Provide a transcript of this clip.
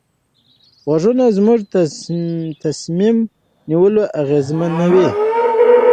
غږونه زموږ تصمیم نیونه اغېزمنوي.